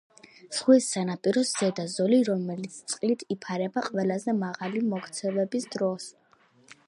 ზღვის სანაპიროს ზედა ზოლი, რომელიც წყლით იფარება ყველაზე მაღალი მოქცევების დროს.